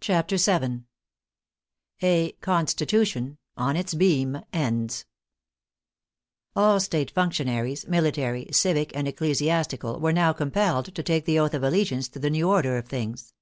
CHAPTER VII A " CONSTITUTION " OX ITS BEAM ENDS All state functionaries, military, civic and ecclesiasti cal, were now compelled to take the oath of allegiance to the new order of things.